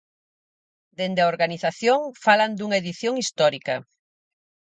Dende a organización falan dunha edición histórica.